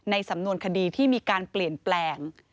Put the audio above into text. สำนวนคดีที่มีการเปลี่ยนแปลง